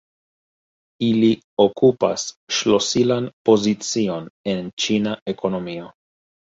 Ili okupas ŝlosilan pozicion en Ĉina ekonomio.